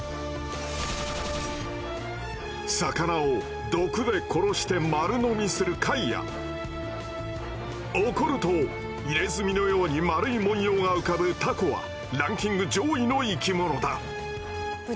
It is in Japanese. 魚を毒で殺して丸飲みする貝や怒ると入れ墨のように丸い文様が浮かぶタコはランキング上位の生きものだ。